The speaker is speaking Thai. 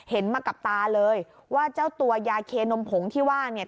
เห็นมากับตาเลยว่าเจ้าตัวยาเคนมผงที่ว่าเนี่ย